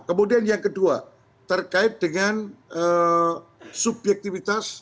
kemudian yang kedua terkait dengan subjektivitas